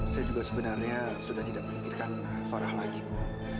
saya juga sebenarnya sudah tidak memikirkan farah lagi bu